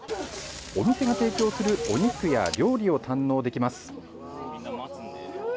お店が提供するお肉や料理を堪能できます。